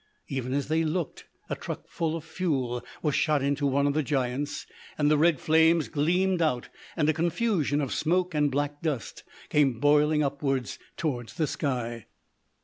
Even as they looked, a truckful of fuel was shot into one of the giants, and the red flames gleamed out, and a confusion of smoke and black dust came boiling upwards towards the sky.